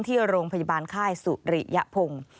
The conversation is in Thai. ที่โรงพยาบาลค่ายสุริยพงศ์